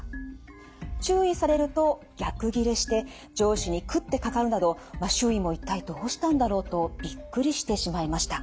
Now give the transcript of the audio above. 注意されると逆ギレして上司に食ってかかるなど周囲も一体どうしたんだろうとびっくりしてしまいました。